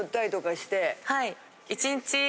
はい。